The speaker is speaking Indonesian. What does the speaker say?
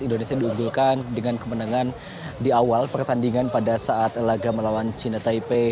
indonesia diunggulkan dengan kemenangan di awal pertandingan pada saat laga melawan china taipei